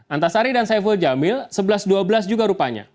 antasari dan saiful jamil sebelas dua belas juga rupanya